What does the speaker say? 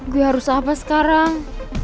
gue harus apa sekarang